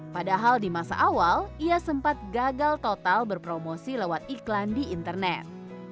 padahal di masa awal ia sempat gagal total berpromosi lewat iklan di internet